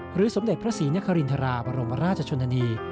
สมเด็จพระศรีนครินทราบรมราชชนนานี